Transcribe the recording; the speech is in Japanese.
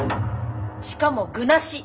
しかも具なし。